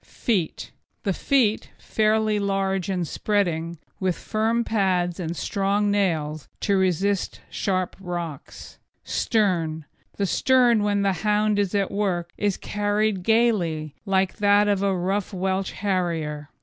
FEET The feet, fairly large and spreading, with firm pads and strong nails to resist sharp rocks. STERN The stern when the hound is at work is carried gaily, like that of a rough Welsh Harrier.